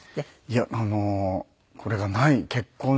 いやこれがない結婚して。